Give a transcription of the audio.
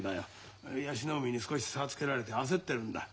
椰子の海に少し差つけられて焦ってるんだ。